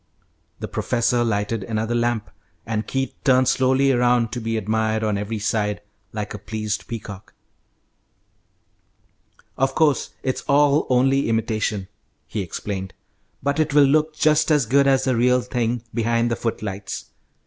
The professor lighted another lamp, and Keith turned slowly around, to be admired on every side like a pleased peacock. "Of course it's all only imitation," he explained, "but it will look just as good as the real thing behind the footlights.